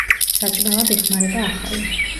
საჭმელად იხმარება ახალი.